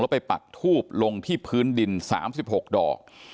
ไปปักทูบลงที่พื้นดิน๓๖ดอก